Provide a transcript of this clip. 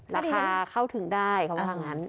ราคาเข้าถึงได้เขาว่างั้น